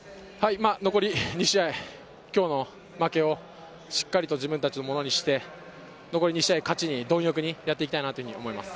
残り２試合、今日の負けをしっかりと自分たちのものにして、残り２試合、勝ちに貪欲にやっていきたいと思います。